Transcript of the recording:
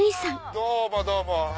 どうもどうも。